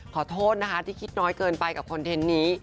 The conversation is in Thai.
ขอโทษนะคะที่คิดน้อยเกินไปกับคอนเทนต์นี้